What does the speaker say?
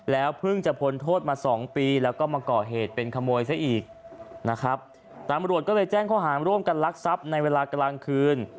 เพิ่งจะพ้นโทษมาสองปีแล้วก็มาก่อเหตุเป็นขโมยซะอีกนะครับตำรวจก็เลยแจ้งข้อหารร่วมกันลักทรัพย์ในเวลากลางคืน